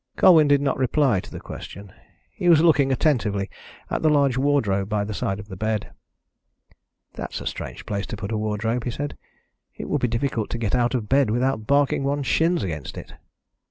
Colwyn did not reply to the question. He was looking attentively at the large wardrobe by the side of the bed. "That's a strange place to put a wardrobe," he said. "It would be difficult to get out of bed without barking one's shins against it."